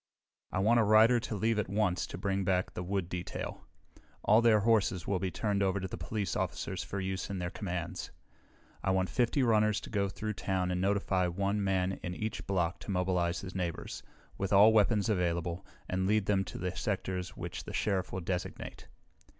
"I want a rider to leave at once to bring back the wood detail. All their horses will be turned over to the police officers for use in their commands. I want fifty runners to go through town and notify one man in each block to mobilize his neighbors, with all weapons available, and lead them to the sectors which the Sheriff will designate.